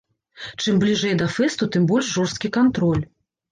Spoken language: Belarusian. Чым бліжэй да фэсту, тым больш жорсткі кантроль.